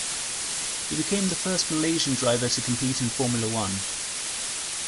He became the first Malaysian driver to compete in Formula One.